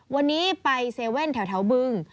วันนี้ไปเซเว่นแถวบึง